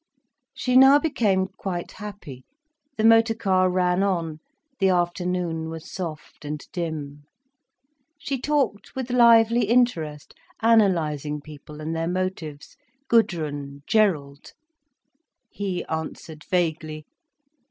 She now became quite happy. The motor car ran on, the afternoon was soft and dim. She talked with lively interest, analysing people and their motives—Gudrun, Gerald. He answered vaguely.